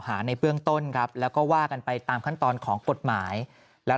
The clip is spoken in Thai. ในเบื้องต้นครับแล้วก็ว่ากันไปตามขั้นตอนของกฎหมายแล้ว